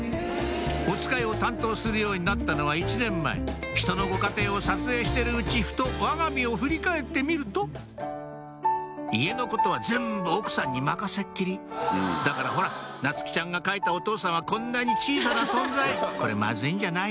おつかいを担当するようになったのは１年前ひとのご家庭を撮影してるうちふとわが身を振り返ってみると家のことは全部奥さんに任せっきりだからほら夏希ちゃんが描いたお父さんはこんなに小さな存在これまずいんじゃない？